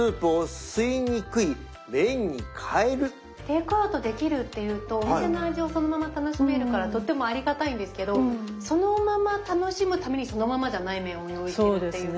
テイクアウトできるっていうとお店の味をそのまま楽しめるからとってもありがたいんですけどそのまま楽しむためにそのままじゃない麺を用意してるっていう。